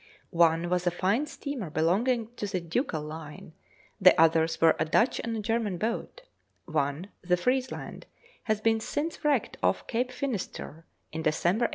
One was a fine steamer belonging to the Ducal Line; the others were a Dutch and a German boat (one, the Friesland, has been since wrecked off Cape Finisterre, in December 1877).